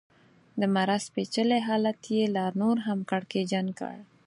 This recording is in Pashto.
د مرض پېچلی حالت یې لا نور هم کړکېچن کړ.